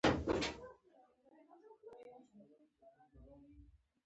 د ښه تعلیم ترلاسه کول د ژوند په ښه کولو کې مرسته کوي.